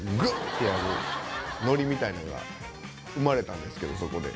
てやるノリみたいなんが生まれたんですけどそこで。